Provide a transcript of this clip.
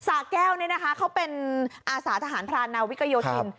สะแก้วนี่นะคะเขาเป็นอาสาทหารพรานนาวิกโยธิน